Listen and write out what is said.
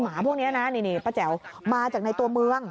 หมาพวกนี้นะนี่ป้าแจ๋วมาจากในตัวเมือง